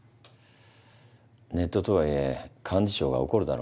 ネットとはいえ幹事長が怒るだろ？